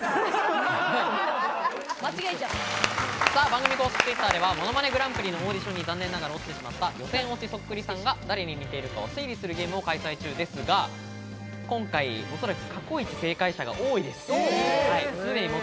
番組公式Ｔｗｉｔｔｅｒでは『ものまねグランプリ』のオーディションに残念ながら落ちてしまった予選落ちそっくりさんが誰に似ているかを推理するゲームを開催中ですが、今回おそらく過去イチ正解者が多いです。